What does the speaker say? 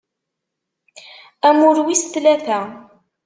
Amur wis tlata.